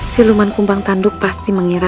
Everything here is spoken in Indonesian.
siluman kumbang tanduk pasti mengira